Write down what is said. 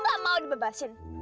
kamu gak mau dibebasin